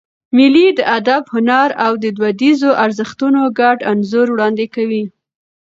مېلې د ادب، هنر او دودیزو ارزښتونو ګډ انځور وړاندي کوي.